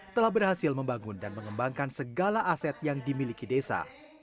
telah berhasil membangun dan mengembangkan segala aset yang dimiliki desa